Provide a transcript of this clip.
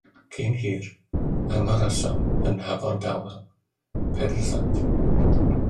Cyn hir, angorasom yn hafan dawel Pedr Sant.